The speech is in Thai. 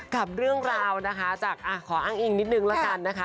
กับเรื่องราวนะคะจากขออ้างอิงนิดนึงละกันนะคะ